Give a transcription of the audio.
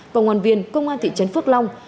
công an viên công an thị trấn phước long